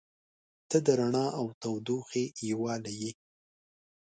• ته د رڼا او تودوخې یووالی یې.